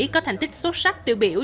có thành tích xuất sắc tiêu biểu